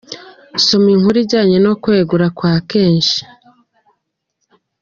Soma inkuru ijyanye no kwegura kwa Keshi.